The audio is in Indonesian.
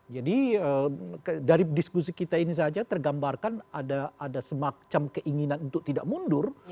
jadi dari diskusi kita ini saja tergambarkan ada semacam keinginan untuk tidak mundur